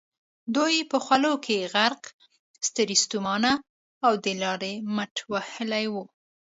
دوی په خولو کې غرق، ستړي ستومانه او د لارې مټ وهلي ول.